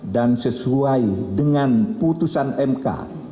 dan sesuai dengan putusan mk